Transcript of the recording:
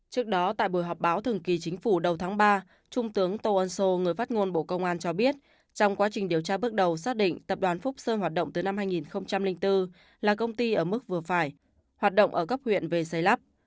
trước đó tại buổi họp báo thường kỳ chính phủ đầu tháng ba trung tướng tô ân sô người phát ngôn bộ công an cho biết trong quá trình điều tra bước đầu xác định tập đoàn phúc sơn hoạt động từ năm hai nghìn bốn là công ty ở mức vừa phải hoạt động ở cấp huyện về xây lắp